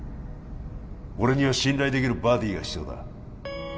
俺には信頼できるバディが必要だ